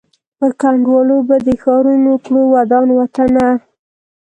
پر کنډوالو به دي ښارونه کړو ودان وطنه